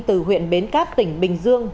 từ huyện bến cáp tỉnh bình dương